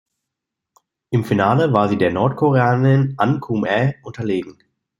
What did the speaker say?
Im Finale war sie der Nordkoreanerin An Kum-ae unterlegen.